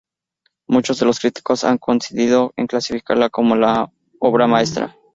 Muchos de los críticos han coincidido en clasificarla como "obra maestra".